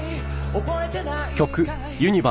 「覚えてないかい？」